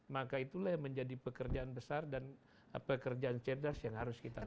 maka itulah yang menjadi pekerjaan besar dan pekerjaan cerdas yang harus kita lakukan